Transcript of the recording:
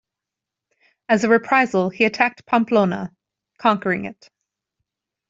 As a reprisal he attacked Pamplona, conquering it.